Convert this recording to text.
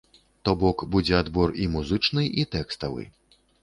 То бок, будзе адбор і музычны, і тэкставы.